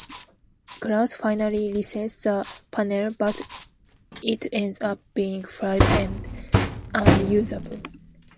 Cruz finally resets the panel but it ends up being fried and unusable.